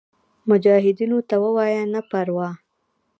مجاهدینو ته ووایه نه پروا.